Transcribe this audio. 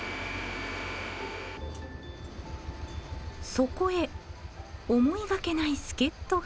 そこへ思いがけない助っ人が。